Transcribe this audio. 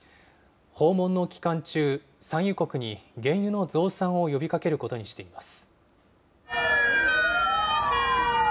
訪問の期間中、産油国に原油の増産を呼びかけることにしています。